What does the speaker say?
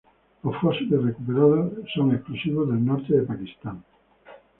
Los fósiles recuperados son exclusivos del norte de Pakistán.